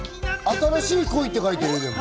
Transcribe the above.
新しい恋って書いてるよ。